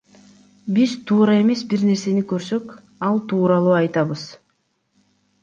Биз туура эмес бир нерсени көрсөк, ал тууралуу айтпайбыз.